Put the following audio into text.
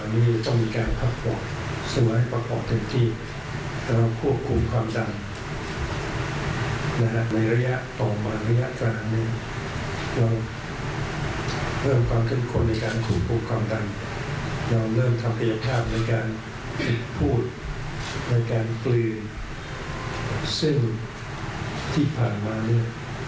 ในการกลืนซึ่งที่ผ่านมาเนี่ย